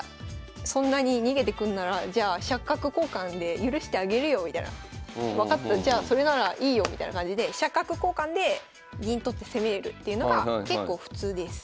そんなに逃げてくんならじゃあ飛車角交換で許してあげるよみたいな分かったじゃあそれならいいよみたいな感じで飛車角交換で銀取って攻めるっていうのが結構普通です。